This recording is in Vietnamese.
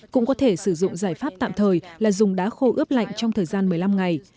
cũng có thể sử dụng giải pháp tạm thời là dùng đá khô ướp lạnh trong thời gian một mươi năm ngày